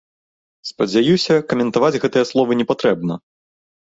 Спадзяюся, каментаваць гэтыя словы не патрэбна.